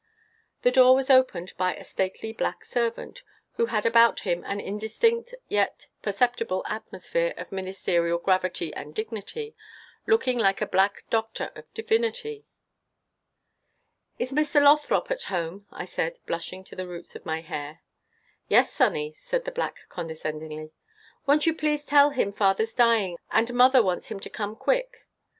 The door was opened by a stately black servant, who had about him an indistinct and yet perceptible atmosphere of ministerial gravity and dignity, looking like a black doctor of divinity. "Is Mr. Lothrop at home," I said, blushing to the roots of my hair. "Yes, sonny," said the black condescendingly. "Won't you please tell him father 's dying, and mother wants him to come quick?"